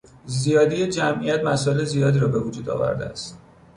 زیادی جمعیت مسائل زیادی را به وجود آورده است.